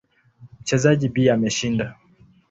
Mchezaji B ameshinda.